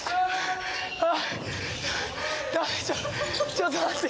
ちょっと待って！